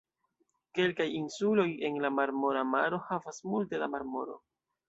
Kelkaj insuloj en la Marmora Maro havas multe da marmoro.